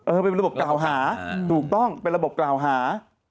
เป็นระบบกล่าวหาถูกต้องเป็นระบบกล่าวหา